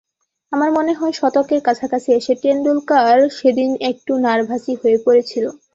আমার মনে হয়, শতকের কাছাকাছি এসে টেন্ডুলকার সেদিন একটু নার্ভাসই হয়ে পড়েছিল।